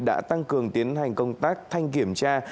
đã tăng cường tiến hành công tác thanh kiểm tra